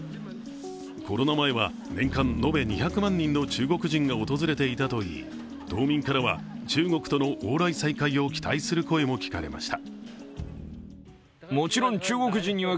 コロナ前は年間延べ２００万人の中国人が訪れていたといい、島民からは、中国との往来再開を期待する声も聞かれました。